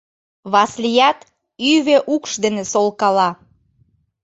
Васлият ӱвӧ укш дене солкала.